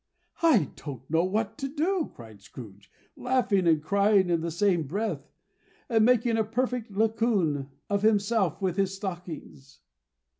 "I don't know what to do!" cried Scrooge, laughing and crying in the same breath; and making a perfect Laocoon of himself with his stockings.